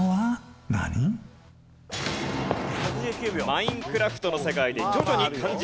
『マインクラフト』の世界で徐々に漢字